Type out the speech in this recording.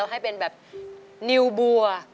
แล้วให้เป็นนิวบัว